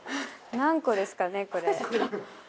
何個ですかね、これ。